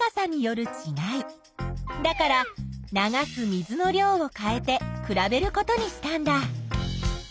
だから流す水の量を変えてくらべることにしたんだ。